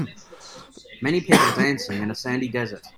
Many people dancing in a sandy desert.